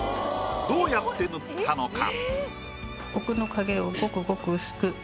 どうやって塗ったのか。